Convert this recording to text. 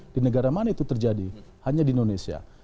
di negara mana itu terjadi hanya di indonesia